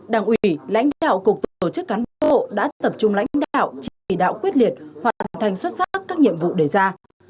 đảng ủy lãnh đạo cục tổ chức cán bộ đã tập trung lãnh đạo chỉ đạo quyết liệt hoàn thành xuất sắc các nhiệm vụ đề ra